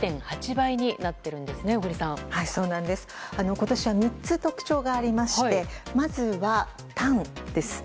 今年は３つ特徴がありましてまずは、短です。